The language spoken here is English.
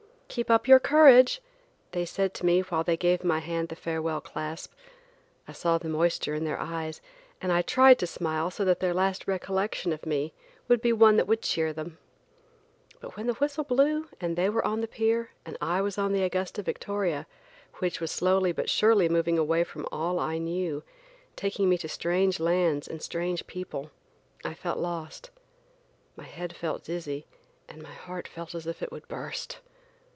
"Keep up your courage," they said to me while they gave my hand the farewell clasp. I saw the moisture in their eyes and I tried to smile so that their last recollection of me would be one that would cheer them. But when the whistle blew and they were on the pier, and I was on the Augusta Victoria, which was slowly but surely moving away from all I knew, taking me to strange lands and strange people, I felt lost. My head felt dizzy and my heart felt as if it would burst.